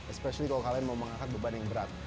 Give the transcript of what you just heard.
expression kalau kalian mau mengangkat beban yang berat